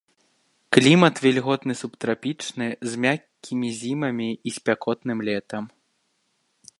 Клімат вільготны субтрапічны з мяккімі зімамі і спякотным летам.